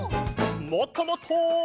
もっともっと！